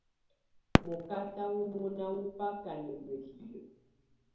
Mɔkata wɔ́ mɔna wɔ́ baka na mǝ́hilǝ́.